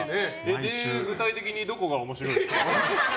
で、具体的にどこが面白いですか？